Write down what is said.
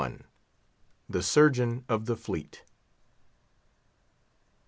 THE SURGEON OF THE FLEET.